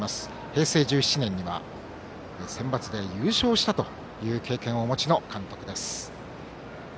平成１７年にはセンバツで優勝したという経験をお持ちの監督です。